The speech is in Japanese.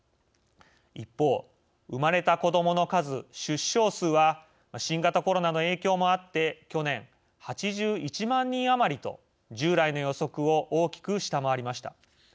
一方生まれた子どもの数、出生数は新型コロナの影響もあって去年、８１万人余りと従来の予測を大きく下回りました。